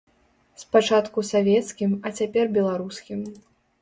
Спачатку савецкім, а цяпер беларускім.